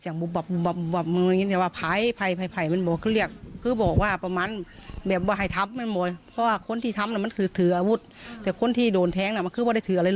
นี้มันอาเกิดแล้วมันกำหนังภาษณ์ผ่อ